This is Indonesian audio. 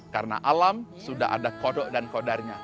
karena alam sudah ada kodok dan kodarnya